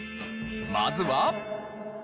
まずは。